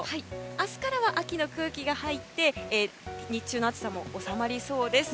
明日からは秋の空気が入って日中の暑さも収まりそうです。